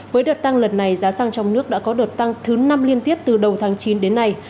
với đợt tăng lần này giá xăng trong nước đã có đợt tăng thứ năm liên tiếp từ đầu tháng chín đến nay